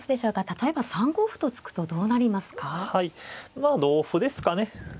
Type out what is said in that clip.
まあ同歩ですかね。